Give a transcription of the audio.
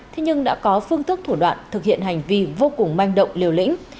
thế nhưng đã có phương thức thủ đoạn thực hiện hành vi vô cùng manh động liều lĩnh